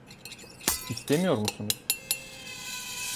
İstemiyor musunuz?